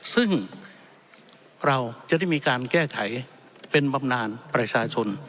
ซึ่งเราจะได้มีการแก้ไขเป็นบำนานประชาชน